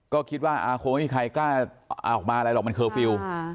ก็คิดว่าคงไม่มีใครกล้าเอาออกมาอะไรหรอกมันเคอร์ฟิลล์